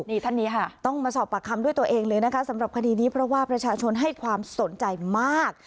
นี่ท่านนี้ค่ะต้องมาสอบปากคำด้วยตัวเองเลยนะคะสำหรับคดีนี้เพราะว่าประชาชนให้ความสนใจมาก